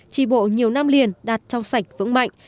trì bộ nhiều năm liền đạt trong sạch vững mạnh